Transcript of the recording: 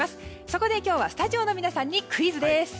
そこで今日はスタジオの皆さんにクイズです。